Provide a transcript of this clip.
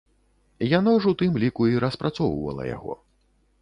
Яно ж у тым ліку і распрацоўвала яго.